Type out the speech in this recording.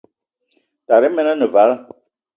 Tara men ane vala.